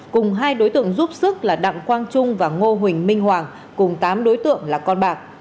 cùng hai đối tượng giúp sức là đặng quang trung và ngô huỳnh minh hoàng cùng tám đối tượng là con bạc